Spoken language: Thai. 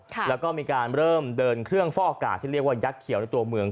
แล้วก็มีการเริ่มเดินเครื่องฟอกอากาศที่เรียกว่ายักษ์เขียวในตัวเมือง